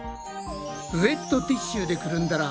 ウエットティッシュでくるんだら